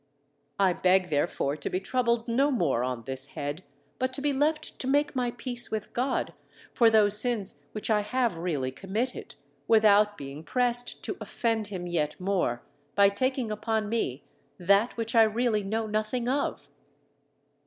I beg, therefore, to be troubled no more on this head, but to be left to make my peace with God for those sins which I have really committed, without being pressed to offend Him yet more, by taking upon me that which I really know nothing of.